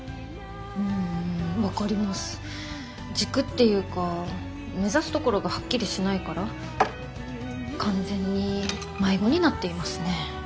軸っていうか目指すところがはっきりしないから完全に迷子になっていますね。